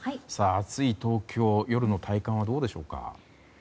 暑い東京夜の体感はどうでしょうか。